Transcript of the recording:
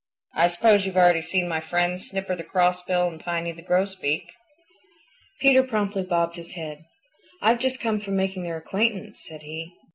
I suppose you've already seen my friends, Snipper the Crossbill and Piny the Grosbeak." Peter promptly bobbed his head. "I've just come from making their acquaintance," said he.